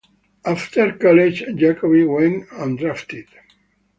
After college, Jacoby went undrafted.